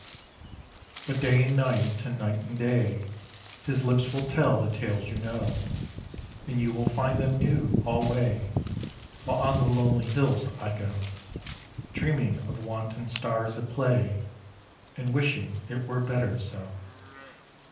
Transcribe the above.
But day and night and night and day His lips will tell the tales you know, And you will find them new alway While on the lonely hills I go Dreaming of wanton stars at play, And wishing it were better so.